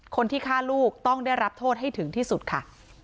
คนที่ฆ่าลูกต้องได้รับโทษให้ถึงที่สุดค่ะ